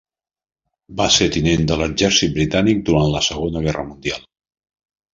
Va ser tinent de l'exèrcit britànic durant la Segona Guerra mundial.